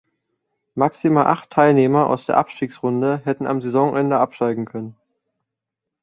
Maximal acht Teilnehmer aus der Abstiegsrunde hätten am Saisonende absteigen können.